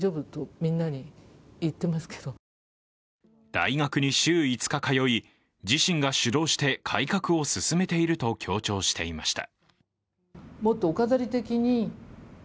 大学に週５日通い、自身が主導して改革を進めていると強調していました。